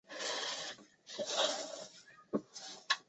斜带圆沫蝉为尖胸沫蝉科圆沫蝉属下的一个种。